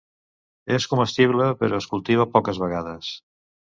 És comestible, però es cultiva poques vegades.